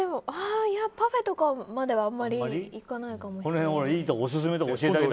パフェとかまではあまり行かないかもしれない。